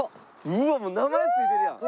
うわっもう名前付いてるやん。